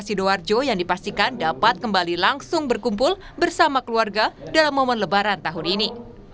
di sini ada lima belas warga binaan yang telah dipastikan dapat kembali langsung berkumpul bersama keluarga dalam momen lebaran tahun ini